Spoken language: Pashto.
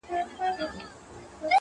درې څلور يې وه غوايي په طبیله کي-